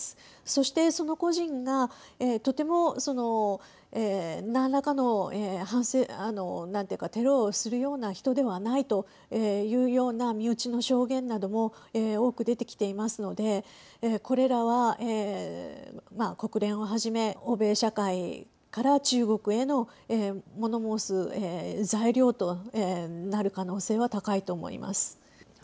そして、その個人がとても、その何らかのテロをするような人ではないというような身内の証言なども多く出てきていますのでこれらは国連をはじめ、欧米社会から中国への物申す材料となる可能性は高いと思います。